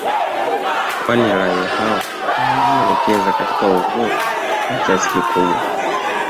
Kwani raia hao wamejielekeza katika uvuvi kwa kiasi kikubwa